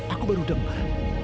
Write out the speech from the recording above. aku baru dengar